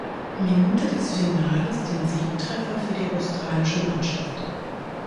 Minute des Finales den Siegtreffer für die australische Mannschaft.